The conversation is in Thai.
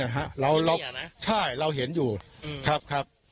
เราใช่เราเห็นอยู่ครับครับ